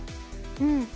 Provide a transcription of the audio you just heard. うん。